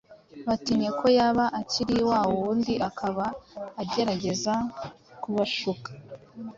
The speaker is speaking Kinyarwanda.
batinye ko yaba akiri wa wundi akaba agerageza kubashuka.